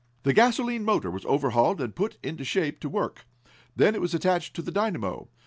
The gasolene motor was overhauled, and put in shape to work. Then it was attached to the dynamo.